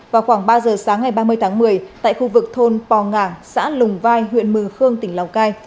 vào khoảng ba giờ sáng ngày ba mươi tháng một mươi tại khu vực thôn pò ngảng xã lùng vai huyện mường khương tỉnh lào cai